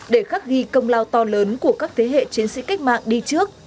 để khắc ghi công lao to lớn của các thế hệ chiến sĩ cách mạng đi trước